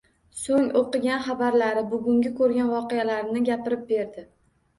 So`ng o`qigan xabarlari, bugungi ko`rgan voqelarni gapirib berdi